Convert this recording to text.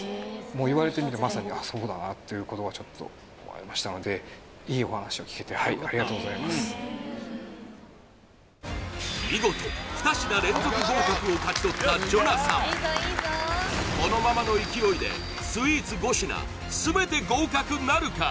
もう言われてみてまさにあっそうだなということはちょっと思いましたので見事２品連続合格を勝ち取ったジョナサンこのままの勢いでスイーツ５品全て合格なるか？